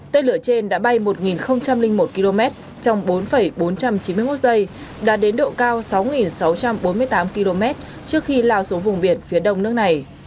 tên lửa trên đã bay một một km trong bốn bốn trăm chín mươi một giây đã đến độ cao sáu sáu trăm bốn mươi tám km trước khi lao xuống vùng biển phía đông nước này